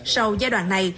sau giai đoạn này